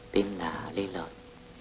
tên là lê lợi